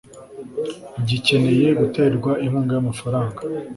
gikeneye guterwa inkunga y’amafranga